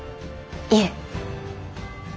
いえ。